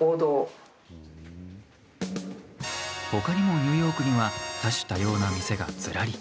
ほかにもニューヨークには多種多様な店がずらり。